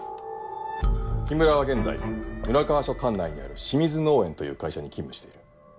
木村は現在村川署管内にある清水農園という会社に勤務している。